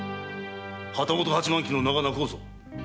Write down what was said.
旗本八万騎の名が泣こうぞ。